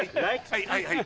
はいはいはい。